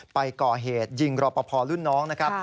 ไปก่อเหตุยิงรอปภรุ่นน้องนะครับ